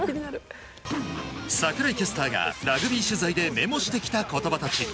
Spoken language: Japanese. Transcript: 櫻井キャスターがラグビー取材でメモしてきた言葉たち。